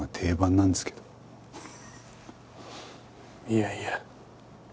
いやいや。